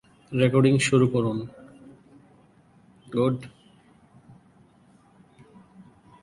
একটু সকাল-সকাল ফিরিস।